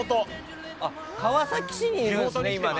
川崎市にいるんですね。